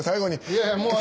いやいやもう。